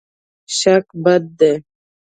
شک بد دی.